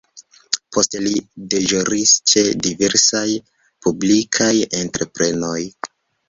Poste li deĵoris ĉe diversaj publikaj entreprenoj.